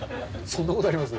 そんなことあります？